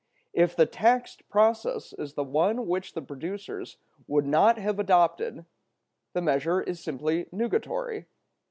If the taxed process is the one which the producers would not have adopted, the measure is simply nugatory.